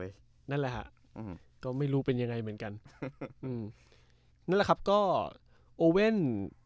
นั่นแหละฮะอืมก็ไม่รู้เป็นยังไงเหมือนกันอืมนั่นแหละครับก็โอเว่น